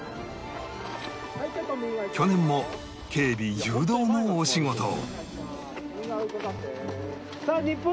去年も警備・誘導のお仕事を